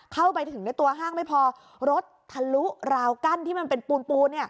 เข้าไปถึงในตัวห้างไม่พอรถทะลุราวกั้นที่มันเป็นปูนปูน